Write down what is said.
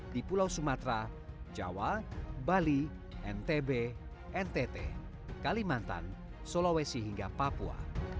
di pulau sumatera jawa bali ntb ntt kalimantan sulawesi hingga papua